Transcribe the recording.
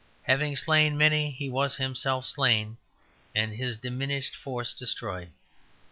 Having slain many, he was himself slain and his diminished force destroyed.